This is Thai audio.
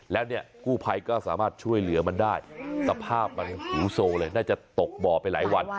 แล้วเนี่ยกู้ภัยก็สามารถช่วยเหลือมันได้สภาพมันหูโซเลยน่าจะตกบ่อไปหลายวัน